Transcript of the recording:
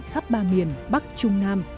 khắp ba miền bắc trung nam